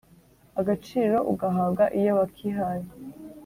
agaciro ugahabwa iyo wakihaye.